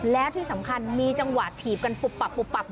และที่สำคัญมีจังหวัดถีบกันปุบด้วย